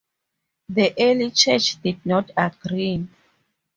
The early Church did not agree.